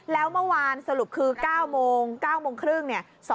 แล้วเมื่อวานสรุปคือ๙โมง๙โมงครึ่งเนี่ย